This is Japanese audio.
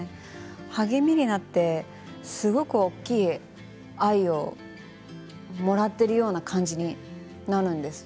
励みになってすごく大きい愛をもらっている感じになるんです。